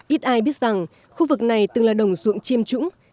ít ai biết rằng khu vực này từng là đồng ruộng chiêm trũng